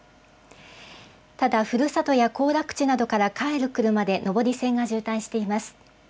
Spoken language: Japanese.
ただ、ふるさとや行楽地などから帰る車で上り線が渋滞しています。